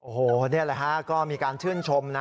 โอ้โหนี่แหละฮะก็มีการชื่นชมนะ